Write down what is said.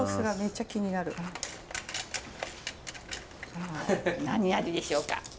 さあ何味でしょうか？